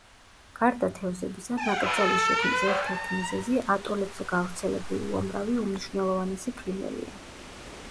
გარდა თევზებისა, ნაკრძალის შექმნის ერთ-ერთი მიზეზი ატოლებზე გავრცელებული უამრავი უმნიშვნელოვანესი ფრინველია.